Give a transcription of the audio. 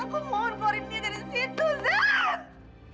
aku mohon keluarin dia dari situ lihat